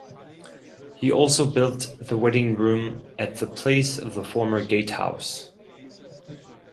He also built the wedding room at the place of the former gatehouse.